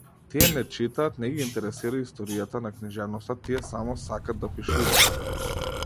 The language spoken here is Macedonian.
Тие не читаат, не ги интересира историјата на книжевноста, тие само сакат да пишуваат.